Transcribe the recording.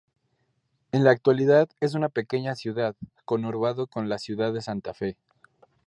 En la actualidad es una pequeña ciudad, conurbado con la ciudad de Santa Fe.